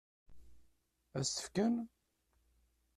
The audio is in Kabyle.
Ad s-tt-fken?